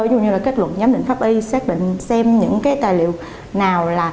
dù như là kết luận giám định pháp y xét định xem những tài liệu nào